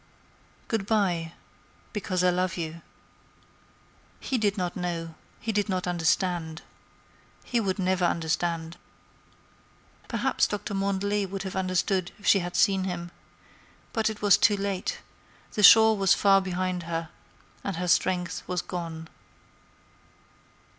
"Good by—because I love you." He did not know; he did not understand. He would never understand. Perhaps Doctor Mandelet would have understood if she had seen him—but it was too late; the shore was far behind her, and her strength was gone.